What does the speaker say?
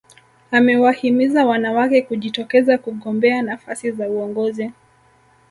Amewahimiza wanawake kujitokeza kugombea nafasi za uongozi